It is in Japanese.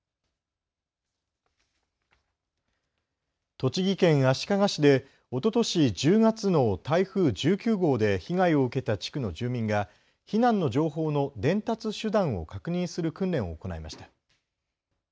栃木県足利市でおととし１０月の台風１９号で被害を受けた地区の住民が避難の情報の伝達手段を確認する訓練を行いました。